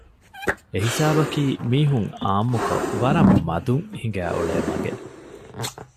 އެހިސާބަކީ މީހުން އާންމުކޮށް ވަރަށް މަދުން ހިނގައި އުޅޭ މަގެއް